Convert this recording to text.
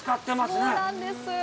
そうなんです。